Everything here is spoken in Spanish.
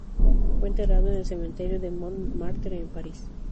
Fue enterrado en el Cementerio de Montmartre, en París.